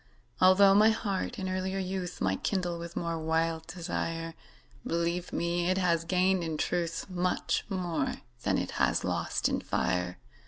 Altho' my heart in earlier youth Might kindle with more wild desire, Believe me, it has gained in truth Much more than it has lost in fire.